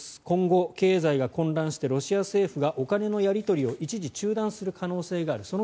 今後、経済が混乱してロシア政府がお金のやり取りを一時中断する可能性がある。